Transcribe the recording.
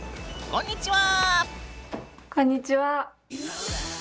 こんにちは！